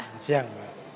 selamat siang mbak